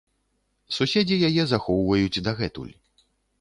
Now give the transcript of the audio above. Суседзі яе захоўваюць дагэтуль.